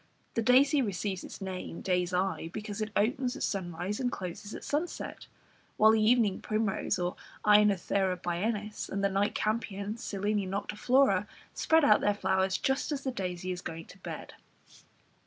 The daisy receives its name day's eye, because it opens at sunrise and closes at sunset, while the evening primrose (Aenothera biennis) and the night campion (Silene noctiflora) spread out their flowers just as the daisy is going to bed.